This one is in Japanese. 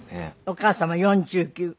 お母様４９。